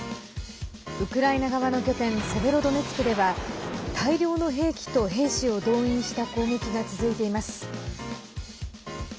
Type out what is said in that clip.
ウクライナ側の拠点セベロドネツクでは大量の兵器と兵士を動員した攻撃が続いています。